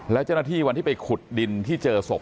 แล้วเจ้าหน้าที่วันที่ไปขุดดินที่เจอศพ